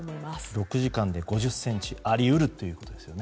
６時間で５０ｃｍもあり得るってことですよね。